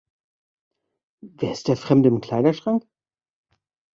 Wer ist der Fremde im Kleiderschrank?